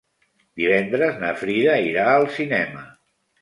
Divendres na Frida irà al cinema.